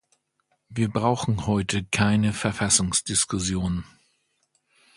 Wir brauchen heute keine Verfassungsdiskussion.